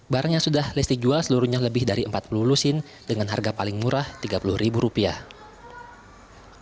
barang yang sudah lesti jual seluruhnya lebih dari empat puluh lusin dengan harga paling murah tiga puluh ribu rupiah